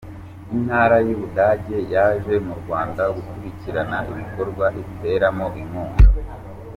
Intara y’u Budage yaje mu Rwanda gukurikira ibikorwa iteramo inkunga